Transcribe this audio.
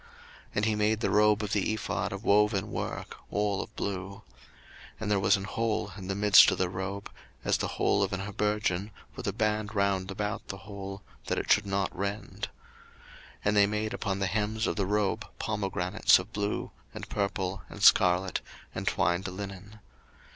02:039:022 And he made the robe of the ephod of woven work, all of blue. 02:039:023 And there was an hole in the midst of the robe, as the hole of an habergeon, with a band round about the hole, that it should not rend. 02:039:024 And they made upon the hems of the robe pomegranates of blue, and purple, and scarlet, and twined linen.